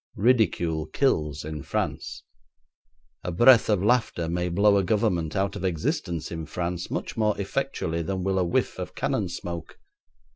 Ridicule kills in France. A breath of laughter may blow a Government out of existence in Paris much more effectually than will a whiff of cannon smoke.